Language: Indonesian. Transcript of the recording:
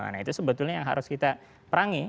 nah itu sebetulnya yang harus kita perangi